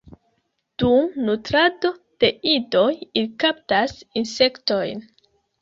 Dum nutrado de idoj ili kaptas insektojn.